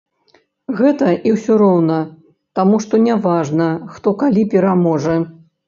Гэта і ўсё роўна, таму што няважна, хто калі пераможа.